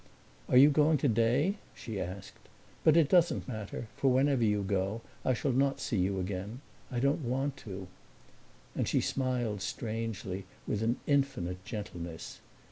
"Are you going today?" she asked. "But it doesn't matter, for whenever you go I shall not see you again. I don't want to." And she smiled strangely, with an infinite gentleness.